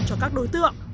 cho các đối tượng